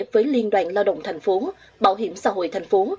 với liên đoàn lao động thành phố bảo hiểm xã hội thành phố